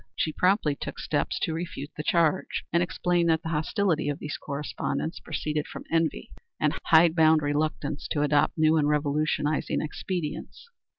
She promptly took steps to refute the charge, and explained that the hostility of these correspondents proceeded from envy and hide bound reluctance to adopt new and revolutionizing expedients.